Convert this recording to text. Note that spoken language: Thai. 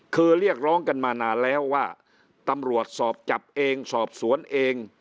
คือเรียกร้องกันมานานแล้วว่าตำรวจสอบจับเองสอบสวนเอง